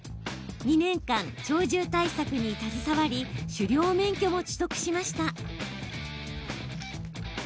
２年間、鳥獣対策に携わり狩猟免許も取得しました。